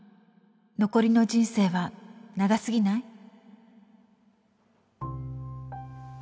残りの人生は長すぎない？